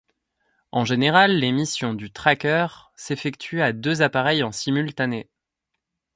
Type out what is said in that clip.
En général les missions du Tracker s’effectuent à deux appareils en simultané.